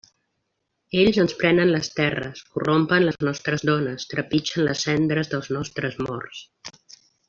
Ells ens prenen les terres; corrompen les nostres dones, trepitgen les cendres dels nostres morts!